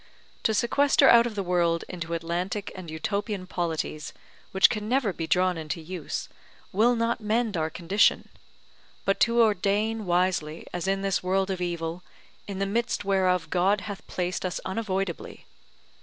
To sequester out of the world into Atlantic and Utopian polities, which never can be drawn into use, will not mend our condition; but to ordain wisely as in this world of evil, in the midst whereof God hath placed us unavoidably.